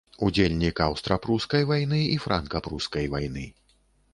Удзельнік аўстра-прускай вайны і франка-прускай вайны.